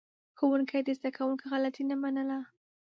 ښوونکي د زده کوونکو غلطي نه منله.